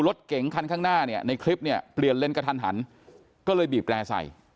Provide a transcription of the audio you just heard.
รถเก่งคันข้างหน้าในคลิปเนี่ยเปลี่ยนเรียนกระทันหันก็เลย